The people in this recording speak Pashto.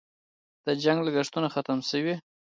د جنګ لګښتونه ختم شوي؟